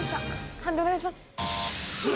判定お願いします。